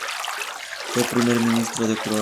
Fue Primer Ministro de Croacia.